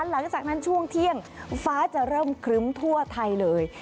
หลังจากนั้นช่วงเที่ยงฟ้าจะเริ่มครึ้มทั่วไทยเลย